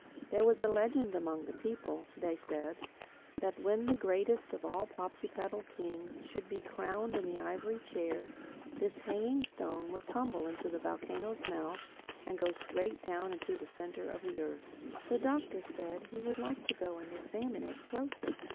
There was a legend among the people, they said, that when the greatest of all Popsipetel kings should be crowned in the ivory chair, this hanging stone would tumble into the volcano's mouth and go straight down to the centre of the earth. [Illustration: "The Whispering Rocks"] The Doctor said he would like to go and examine it closer.